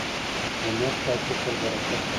د نیت پاکي تل برکت راوړي.